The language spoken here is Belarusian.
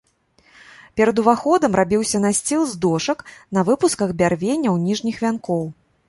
Перад уваходам рабіўся насціл з дошак на выпусках бярвенняў ніжніх вянкоў.